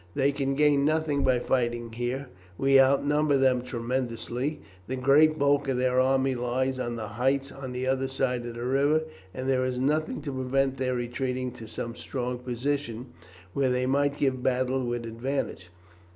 They can gain nothing by fighting here. We outnumber them tremendously. The great bulk of their army lies on the heights on the other side of the river, and there is nothing to prevent their retreating to some strong position, where they might give battle with advantage.